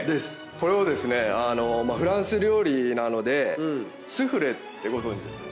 これをですねフランス料理なのでスフレってご存じですよね？